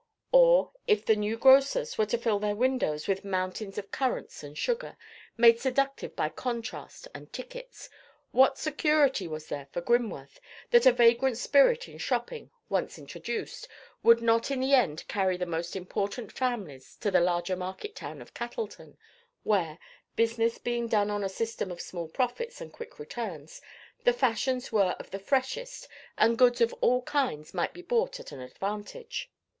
or, if new grocers were to fill their windows with mountains of currants and sugar, made seductive by contrast and tickets,—what security was there for Grimworth, that a vagrant spirit in shopping, once introduced, would not in the end carry the most important families to the larger market town of Cattleton, where, business being done on a system of small profits and quick returns, the fashions were of the freshest, and goods of all kinds might be bought at an advantage?